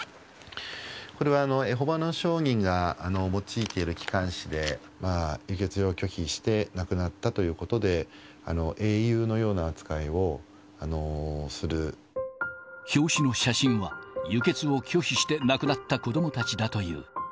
これはエホバの証人が用いてる機関誌で、輸血を拒否して亡くなったということで、表紙の写真は、輸血を拒否して亡くなった子どもたちだという。